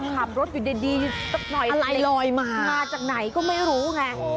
ต้องขอบรถอยู่ดีเด็กอะไรเลยมาอะหน้าจากไหนไม่รู้ไง